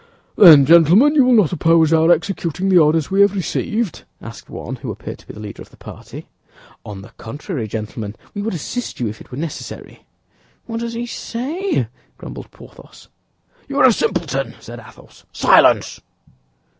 "Then, gentlemen, you will not oppose our executing the orders we have received?" asked one who appeared to be the leader of the party. "On the contrary, gentlemen, we would assist you if it were necessary." "What does he say?" grumbled Porthos. "You are a simpleton," said Athos. "Silence!"